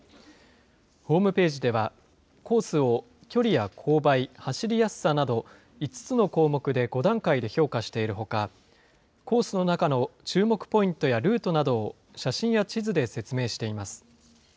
ホームページでは、コースを距離や勾配、走りやすさなど５つの項目で５段階で評価しているほか、コースの中の注目ポイントやルートなどを写真や地図で説明しています。